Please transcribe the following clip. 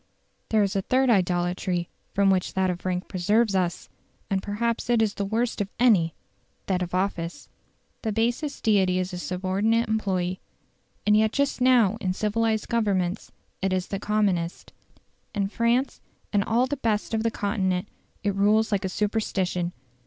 There is a third idolatry from which that of rank preserves us, and perhaps it is the worst of any that of office. The basest deity is a subordinate employee, and yet just now in civilised Governments it is the commonest. In France and all the best of the Continent it rules like a superstition.